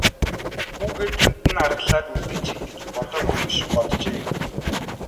Хүүгээ тэнд нь аргалаад үлдээчихье гэж бодоогүй биш боджээ.